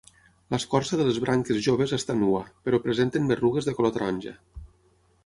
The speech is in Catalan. L'escorça de les branques joves està nua, però presenten berrugues de color taronja.